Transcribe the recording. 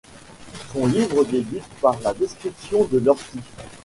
Son livre débute par la description de l'ortie.